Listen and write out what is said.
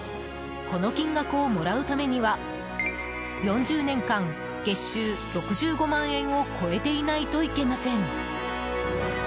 この金額をもらうためには４０年間月収６５万円を超えていないといけません。